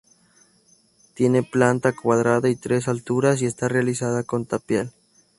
Tiene planta cuadrada y tres alturas y está realizada con tapial.